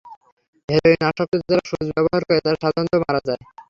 Heroin আসক্ত যারা সূঁচ ব্যবহার করে, তারা সাধারণত মারা যায়।